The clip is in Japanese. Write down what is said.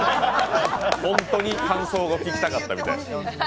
本当に感想が聞きたかったみたい。